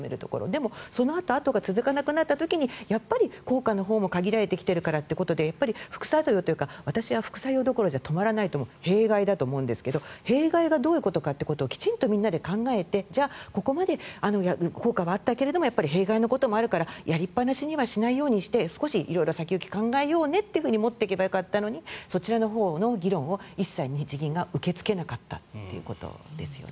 でもそのあとが続かなくなった時にやっぱり効果のほうも限られてきているからということで副作用というか私は副作用どころじゃなく弊害だと思うんですが弊害というのがどういうことかというのをきちんとみんなで考えてここまで効果があったけどやっぱり弊害のこともあるからやりっぱなしにはしないようにして少し先行きを考えようねと持っていけばよかったのにそちらのほうの議論を一切、日銀が受け付けなかったということですよね。